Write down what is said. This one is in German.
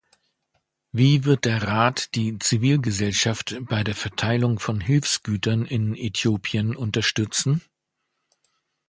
Wie wird der Rat die Zivilgesellschaft bei der Verteilung von Hilfsgütern in Äthiopien unterstützen?